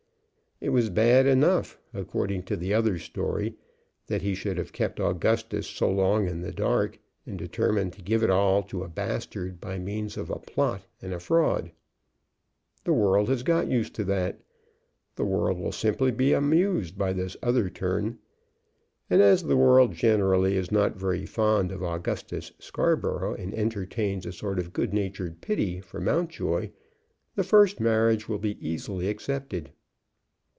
It was bad enough, according to the other story, that he should have kept Augustus so long in the dark, and determined to give it all to a bastard by means of a plot and a fraud. The world has got used to that. The world will simply be amused by this other turn. And as the world generally is not very fond of Augustus Scarborough, and entertains a sort of a good natured pity for Mountjoy, the first marriage will be easily accepted."